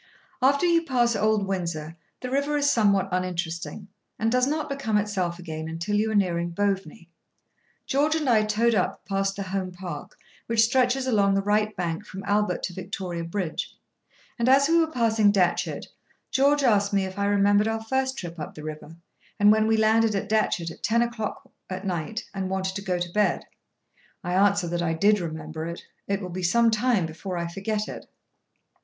After you pass Old Windsor, the river is somewhat uninteresting, and does not become itself again until you are nearing Boveney. George and I towed up past the Home Park, which stretches along the right bank from Albert to Victoria Bridge; and as we were passing Datchet, George asked me if I remembered our first trip up the river, and when we landed at Datchet at ten o'clock at night, and wanted to go to bed. I answered that I did remember it. It will be some time before I forget it.